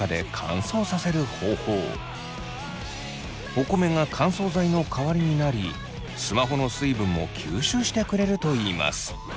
お米が乾燥剤の代わりになりスマホの水分も吸収してくれるといいます。